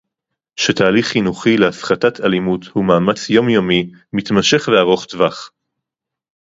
שתהליך חינוכי להפחתת אלימות הוא מאמץ יומיומי מתמשך וארוך טווח